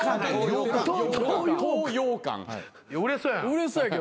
売れそうやん。